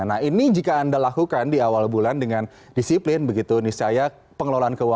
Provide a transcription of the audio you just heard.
nah ini jika anda lakukan di awal bulan dengan disiplin begitu niscaya pengelolaan keuangan